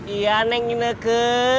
iya neng ini ke